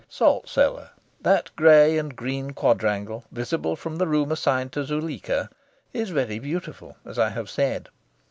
Salt Cellar, that grey and green quadrangle visible from the room assigned to Zuleika, is very beautiful, as I have said.